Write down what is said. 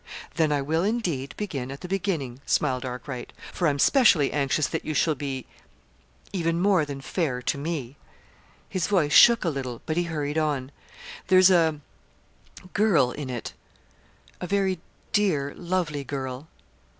"Then I will, indeed, begin at the beginning," smiled Arkwright, "for I'm specially anxious that you shall be even more than 'fair' to me." His voice shook a little, but he hurried on. "There's a girl in it; a very dear, lovely girl."